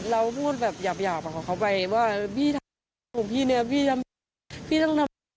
ลูกยอดไปไหนลูกไปเที่ยวไปเตะก็จะชวนไป